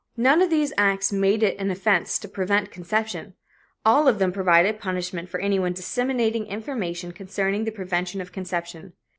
None of these acts made it an offense to prevent conception all of them provided punishment for anyone disseminating information concerning the prevention of conception.